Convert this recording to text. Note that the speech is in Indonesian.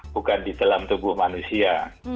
bukan di dalam tubuh manusia